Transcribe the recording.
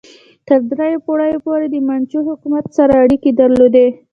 تر دریو پیړیو پورې د منچو حکومت سره اړیکې درلودې.